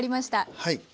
はい。